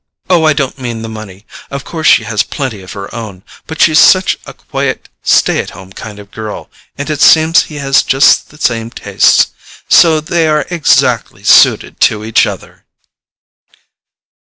Oh, I don't mean the money—of course she has plenty of her own—but she's such a quiet stay at home kind of girl, and it seems he has just the same tastes; so they are exactly suited to each other."